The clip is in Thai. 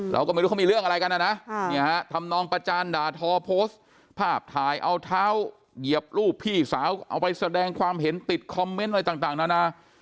เราก็ไม่รู้เขามีเรื่องอะไรกันนะนะทำนองประจานด่าทอโพสต์ภาพถ่ายเอาเท้าเหยียบรูปพี่สาวเอาไปแสดงความเห็นติดคอมเมนต์อะไรต่างนานา